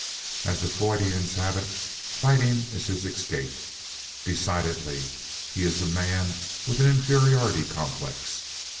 As the Freudians have it, fighting is his "escape." Decidedly, he is a man with an inferiority complex.